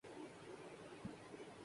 ہمارے حالات ایسے تو نہیں رہے۔